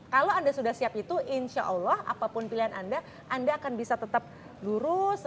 kalau anda sudah siap itu insya allah apapun pilihan anda anda akan bisa tetap lurus